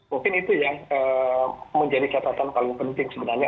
mungkin itu yang menjadi catatan paling penting sebenarnya